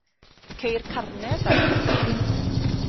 Ceir carnedd ar y copa.